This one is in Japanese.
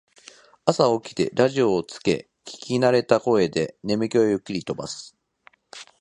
朝起きてラジオをつけ聞きなれた声で眠気をゆっくり飛ばす